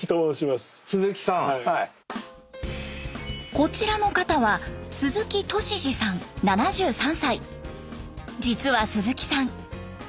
こちらの方は実は鈴木さん